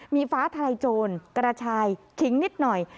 มีฟ้าทลายโจรกระชายขิงนิดหน่อย